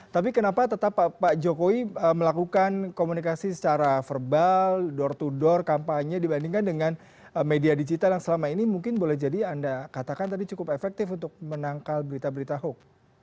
tapi kenapa tetap pak jokowi melakukan komunikasi secara verbal door to door kampanye dibandingkan dengan media digital yang selama ini mungkin boleh jadi anda katakan tadi cukup efektif untuk menangkal berita berita hoax